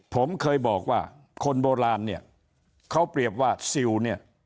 ผมเคยบอกว่าคนโบราณเนี่ยเขาเปรียบว่าซิลเนี่ย